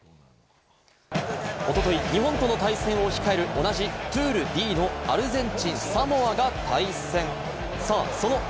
おととい、日本との対戦を抱える、同じプールＤのアルゼンチン、サモアが対戦。